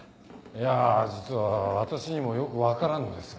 いや実は私にもよく分からんのです。